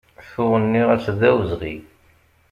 Tuɣ nniɣ-as d awezɣi.